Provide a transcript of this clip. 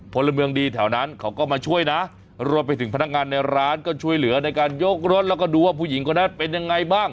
พลเมืองดีแถวนั้นเขาก็มาช่วยนะรวมไปถึงพนักงานในร้านก็ช่วยเหลือในการยกรถแล้วก็ดูว่าผู้หญิงคนนั้นเป็นยังไงบ้าง